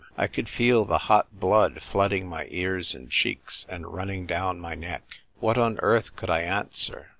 I could feel the hot blood flooding my ears and cheeks, and running dovv^n my neck. What on earth could I answer